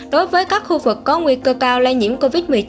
đối với các khu vực có nguy cơ cao lây nhiễm covid một mươi chín